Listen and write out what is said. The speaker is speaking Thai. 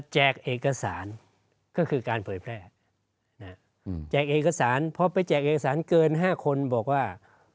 เอกสารก็คือการเผยแพร่แจกเอกสารพอไปแจกเอกสารเกิน๕คนบอกว่า